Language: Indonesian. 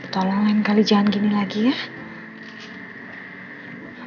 tolong lain kali jangan gini lagi ya